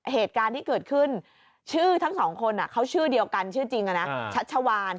เหตุการณ์ที่เกิดขึ้นชื่อทั้งสองคนเขาชื่อเดียวกันชื่อจริงชัชวาน